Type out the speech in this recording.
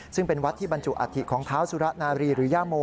ซึ่งเป็นวัดที่บรรจุอัฐิของเท้าสุระนารีหรือย่าโม